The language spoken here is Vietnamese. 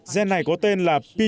gen này có tên là pt